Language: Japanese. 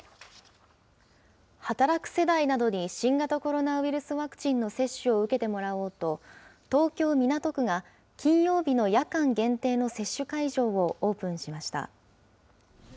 働く世代などに新型コロナウイルスワクチンの接種を受けてもらおうと、東京・港区が金曜日の夜間限定の接種会場をオープンしました。